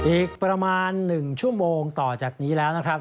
อีกประมาณ๑ชั่วโมงต่อจากนี้แล้วนะครับ